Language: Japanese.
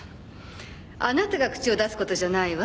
あなたが口を出す事じゃないわ。